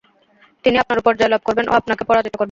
তিনি আপনার উপর জয়লাভ করবেন ও আপনাকে পরাজিত করবেন।